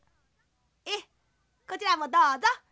ええこちらもどうぞ。